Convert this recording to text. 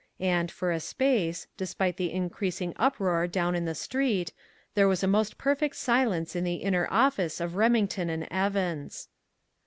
And for a space, despite the increasing uproar down in the street, there was a most perfect silence in the inner office of Remington and Evans.